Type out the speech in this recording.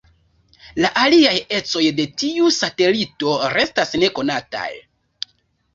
La aliaj ecoj de tiu satelito restas nekonataj.